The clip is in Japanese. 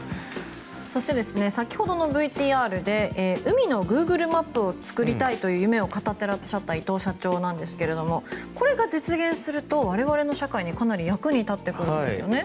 先ほどのＶＴＲで海のグーグルマップを作りたいという夢を語ってらっしゃった伊藤社長ですがこれが実現すると、我々の社会にかなり役に立つんですよね。